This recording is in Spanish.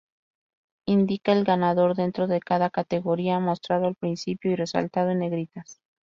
Indica el ganador dentro de cada categoría, mostrado al principio y resaltado en negritas.